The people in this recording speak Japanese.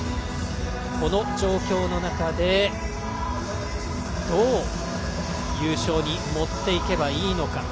この状況の中でどう優勝に持っていけばいいのか。